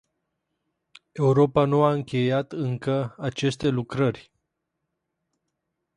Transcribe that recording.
Europa nu a încheiat încă aceste lucrări.